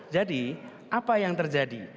jadi apa yang terjadi